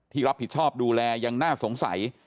รับผิดชอบดูแลยังน่าสงสัย